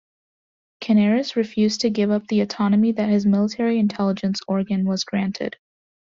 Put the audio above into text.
Canaris refused to give up the autonomy that his military intelligence organ was granted.